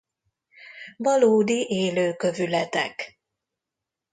Valódi élő kövületek.